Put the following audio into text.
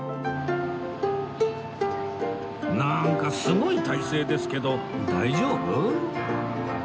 なんかすごい体勢ですけど大丈夫？